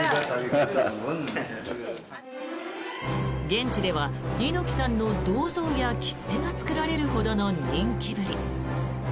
現地では猪木さんの銅像や切手が作られるほどの人気ぶり。